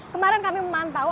kemarin kami memantau